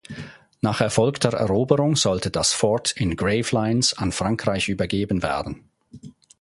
Nach erfolgter Eroberung sollte das Fort in Gravelines an Frankreich übergeben werden.